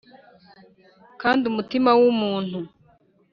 kandi umutima wumuntu